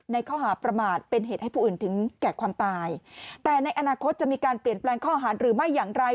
ในข้อหาประมาทเป็นเหตุให้ผู้อื่นถึงแก่ความตายแต่ในอนาคตจะมีการเปลี่ยนแปลงข้อหารหรือไม่อย่างไร